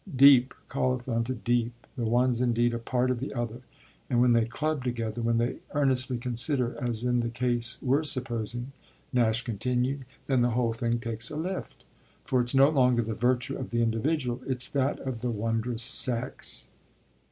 Deep calleth unto deep the one's indeed a part of the other. And when they club together, when they earnestly consider, as in the case we're supposing," Nash continued, "then the whole thing takes a lift; for it's no longer the virtue of the individual, it's that of the wondrous sex."